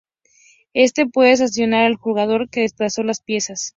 Este puede sancionar al jugador que desplazó las piezas.